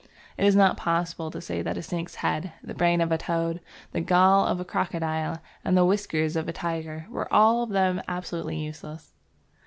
It is not possible to say that a snake's head, the brain of a toad, the gall of a crocodile, and the whiskers of a tiger, were all of them absolutely useless.